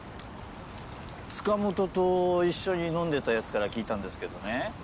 塚本と一緒に飲んでた奴から聞いたんですけどね